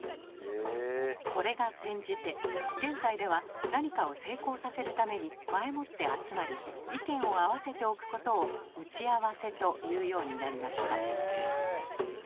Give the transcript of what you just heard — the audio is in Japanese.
これが転じて現在では何かを成功させるために前もって集まり意見を合わせておくことを「打ち合わせ」というようになりました。